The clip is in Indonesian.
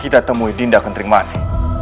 kita temui dinda kuntring mani